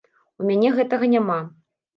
У мяне гэтага няма.